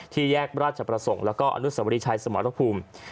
ที่แยกราชประสงค์และอนุสวริชัยสมรพภูมิ